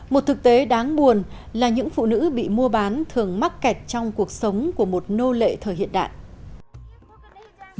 một thực tế đáng buồn là những phụ nữ bị mua bán thường mắc kẹt trong cuộc sống của một nô lệ thời hiện đại